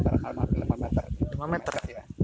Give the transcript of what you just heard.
sekarang hampir lima meter